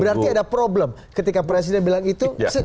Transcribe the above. berarti ada problem ketika presiden bilang itu